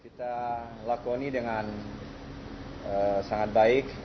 kita lakoni dengan sangat baik